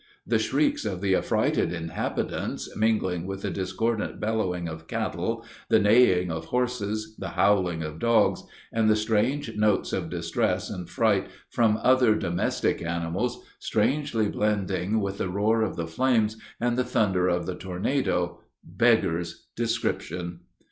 The shrieks of the affrighted inhabitants, mingling with the discordant bellowing of cattle, the neighing of horses, the howling of dogs, and the strange notes of distress and fright from other domestic animals, strangely blending with the roar of the flames and the thunder of the tornado, beggars description.